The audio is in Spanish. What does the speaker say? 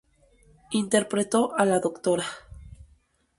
Interpretó a la Dra.